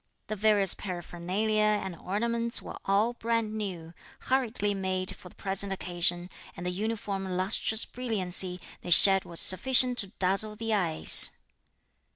The various paraphernalia and ornaments were all brand new, hurriedly made for the present occasion, and the uniform lustrous brilliancy they shed was sufficient to dazzle the eyes.